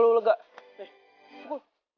tumen lo gak